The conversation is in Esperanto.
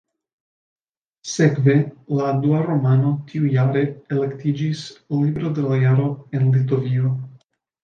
Sekve la dua romano tiujare elektiĝis "Libro de la Jaro" en Litovio.